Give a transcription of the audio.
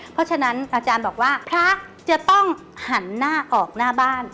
เพราะฉะนั้นอาจารย์บอกว่าพระจะต้องหันหน้าออกหน้าบ้าน